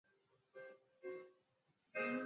mashahidi walisema